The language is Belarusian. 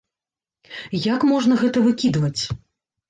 Як можна гэта выкідваць?